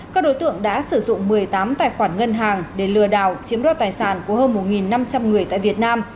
các đối tượng đã sử dụng một mươi tám tài khoản ngân hàng để lừa đảo chiếm đoạt tài sản của hơn một năm trăm linh người tại việt nam